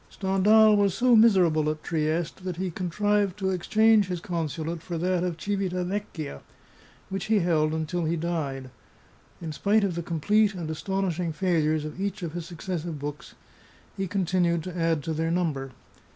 Stendhal was so miserable at Trieste that he con trived to exchange his consulate for that of Civita Vecchia, which he held until he died. In spite of the complete and astonishing failures of each of his successive books, he con tinued to add to their number.